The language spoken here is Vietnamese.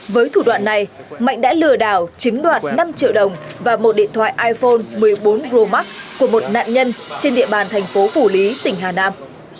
với thủ đoạn này mạnh đã lừa đảo chiếm đoạt năm triệu đồng và một điện thoại iphone một mươi bốn pro max của một nạn nhân trên địa bàn thành phố phủ lý tỉnh hà nam